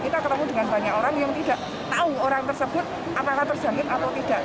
kita ketemu dengan banyak orang yang tidak tahu orang tersebut apakah terjangkit atau tidak